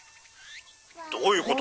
どういうこと？」。